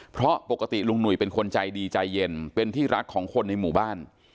เพราะปกติลุงหนุ่ยเป็นคนใจดีใจเย็นเป็นที่รักของคนในหมู่บ้าน